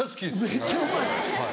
めっちゃうまい。